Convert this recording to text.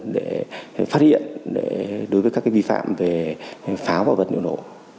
để phát hiện đối với các vi phạm về pháo và vật liệu nổ